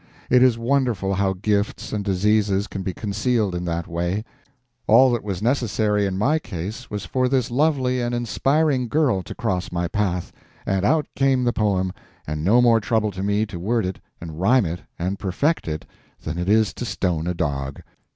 It is wonderful how gifts and diseases can be concealed in that way. All that was necessary in my case was for this lovely and inspiring girl to cross my path, and out came the poem, and no more trouble to me to word it and rhyme it and perfect it than it is to stone a dog.